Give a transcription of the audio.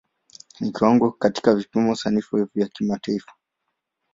Ni kiwango katika vipimo sanifu vya kimataifa.